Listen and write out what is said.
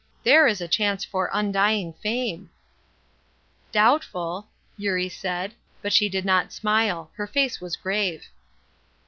There is a chance for undying fame." "Doubtful!" Eurie said, but she did not smile; her face was grave.